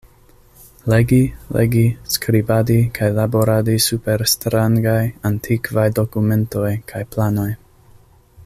Legi, legi, skribadi kaj laboradi super strangaj, antikvaj dokumentoj kaj planoj.